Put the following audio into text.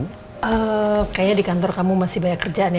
kayaknya di kantor kamu masih banyak kerjaan ya